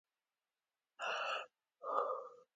علي د نننۍ نړۍ له عصري ټکنالوژۍ څخه ډېر وروسته پاتې دی.